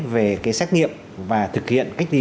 về cái xét nghiệm và thực hiện cách ly